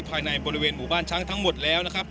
ภายในบริเวณของหมู่บ้านช้างแล้ว